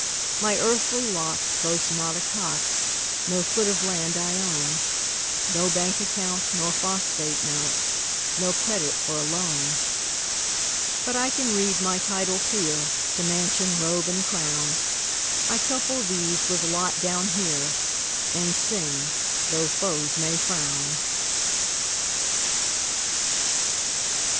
My earthly lot boasts not a cot, No foot of land I own, No bank account nor phosphate mount, Nor credit for a loan; But I can read my title clear To mansion, robe, and crown; I couple these with lot down here, And sing, tho' foes may frown.